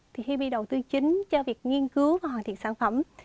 thì hip đầu tư chính cho việc nghiên cứu và hoàn thiện sản phẩm